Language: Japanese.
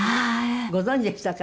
ご存じでしたか？